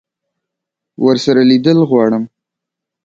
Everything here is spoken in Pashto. ورسره لیدل غواړم.